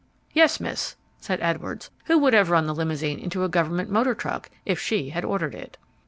"Yes, miss," said Edwards, who would have run the limousine into a government motor truck if she had ordered it.